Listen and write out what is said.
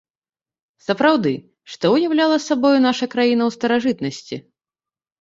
Сапраўды, што ўяўляла сабою наша краіна ў старажытнасці?